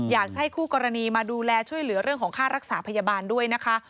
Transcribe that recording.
อยากให้คู่กรณีมาดูแลช่วยเหลือเรื่องของค่ารักษาพยาบาลด้วยนะคะ